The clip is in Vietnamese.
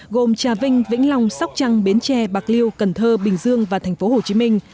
gồm trà vinh vĩnh long sóc trăng bến tre bạc liêu cần thơ bình dương và thành phố hồ chí minh